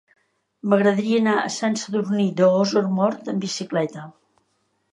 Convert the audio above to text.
M'agradaria anar a Sant Sadurní d'Osormort amb bicicleta.